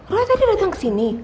roy dateng ke sini